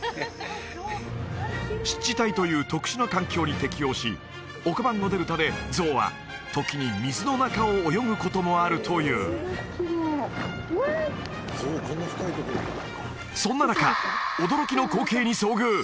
湿地帯という特殊な環境に適応しオカバンゴ・デルタでゾウは時に水の中を泳ぐこともあるというそんな中驚きの光景に遭遇